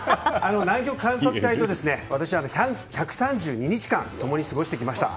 南極観測隊と私は１３２日間そこに過ごしてきました。